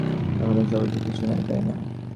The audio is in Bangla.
এগুলো স্বাভাবিক কিছু না, তাই না?